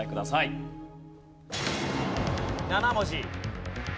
７文字。